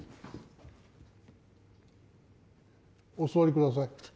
お座りください